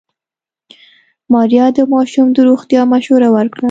ماريا د ماشوم د روغتيا مشوره ورکړه.